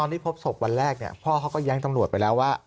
ที่พบศพวันแรกเนี่ยพ่อเขาก็แย้งตำรวจไปแล้วว่า